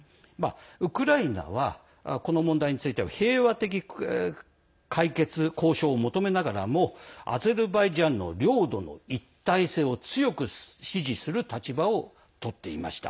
ウクライナはこの問題については平和的解決、交渉を求めながらもアゼルバイジャンの領土の一体性を強く支持していました。